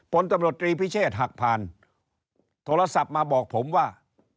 ผลตำรวจตรีพิเชษหักผ่านโทรศัพท์มาบอกผมว่า